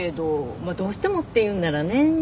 まあどうしてもって言うんならね。